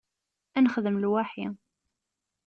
Ad nexdem lwaḥi.